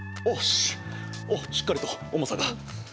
おっしっかりと重さが。